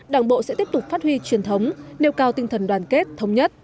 đảng bộ sẽ tiếp tục phát huy truyền thống nêu cao tinh thần đoàn kết thống nhất